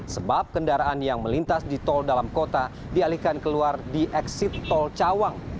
sebab kendaraan yang melintas di toll dalam kota dialihkan keluar di exit toll cawang